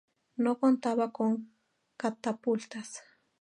No contaba con catapultas.